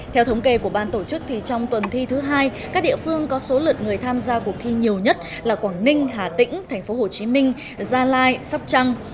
theo thống kê của ban tổ chức trong tuần thi thứ hai các địa phương có số lượt người tham gia cuộc thi nhiều nhất là quảng ninh hà tĩnh tp hcm gia lai sắp trăng